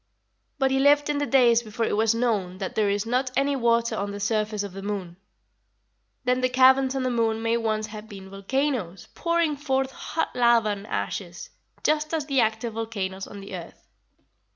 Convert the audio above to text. But he lived in the days before it was known that there is not any water on the surface of the moon. Then the caverns on the moon may once have been volcanoes pouring forth hot lava and ashes, just as the active volcanoes on the earth.